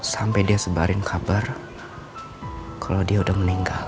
sampai dia sebarin kabar kalau dia udah meninggal